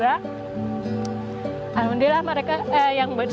alhamdulillah mereka yang besar